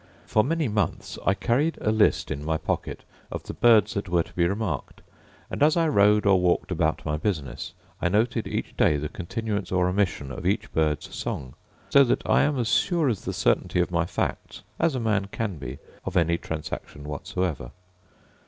For many months I carried a list in my pocket of the birds that were to be remarked, and, as I rode or walked about my business, I noted each day the continuance or omission of each bird's song; so that I am as sure of the certainty of my facts as a man can be of any transaction whatsoever.